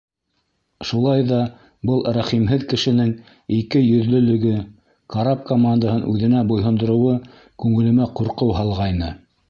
Шулай ҙа был рәхимһеҙ кешенең ике йөҙлөлөгө, карап командаһын үҙенә буйһондороуы күңелемә ҡурҡыу һалғайны.